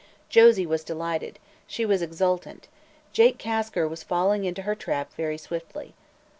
Josie was delighted; she was exultant; Jake Kasker was falling into her trap very swiftly.